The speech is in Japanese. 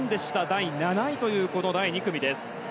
第７位というこの第２組です。